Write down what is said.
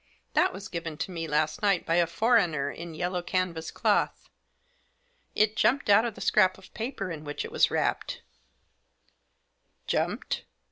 That was given to me last night by a foreigner in yellow canvas cloth. It jumped out of the scrap of paper in which it was wrapped " "Jumped?"